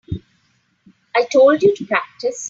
I told you to practice.